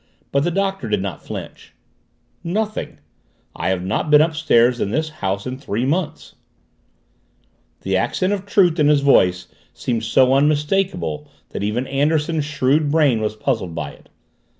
But the Doctor did not flinch. "Nothing," he said firmly. "I have not been upstairs in this house in three months." The accent of truth in his voice seemed so unmistakable that even Anderson's shrewd brain was puzzled by it.